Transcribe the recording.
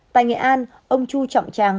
tại nghệ an ông chu trọng trang